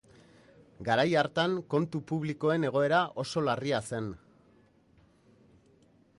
Garai hartan kontu publikoen egoera oso larria zen.